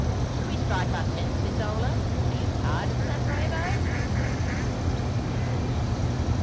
*' Shall we strike our tents, Isola ? Are you tired of San Eemo?" " No, Martin.